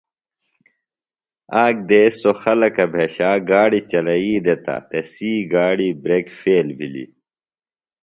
آک دیس سوۡ خلکہ بھیشا گاڑیۡ چلئی دےۡ تہ تسی گاڑیۡ بریک فیل بِھلیۡ۔